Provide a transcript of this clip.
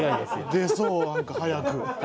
出そうなんか速く。